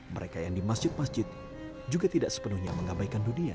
mereka yang di masjid masjid juga tidak sepenuhnya mengabaikan dunia